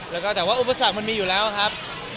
แล้วก็แต่ว่าอุปสรรคมันมีอยู่แล้วครับ